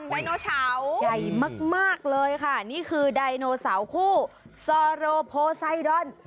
ไดโนเฉาใหญ่มากมากเลยค่ะนี่คือไดโนเสาร์คู่ซอโรโพไซดอน